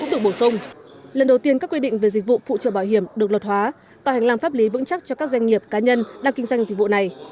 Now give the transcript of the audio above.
lần đầu tiên các quy định về dịch vụ phụ trợ bảo hiểm được luật hóa tạo hành lang pháp lý vững chắc cho các doanh nghiệp cá nhân đang kinh doanh dịch vụ này